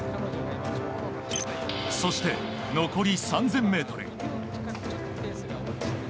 そして、残り３０００ｍ。